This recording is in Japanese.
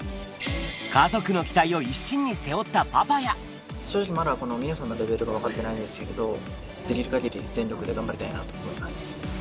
家族の期待を一身に背負った正直まだ、皆さんのレベルが分かってないんですけれど、できるかぎり全力で頑張りたいと思います。